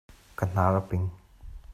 Ka hnar a ping.